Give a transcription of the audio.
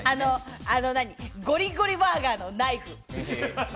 ゴリゴリバーガーのナイフ。